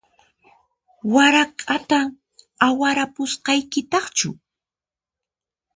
Warak'ata awarapusqaykitaqchu?